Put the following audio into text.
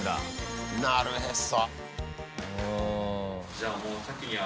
なるへそ。